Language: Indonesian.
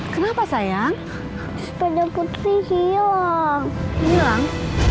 kenapa sayang sepeda putri hilang hilang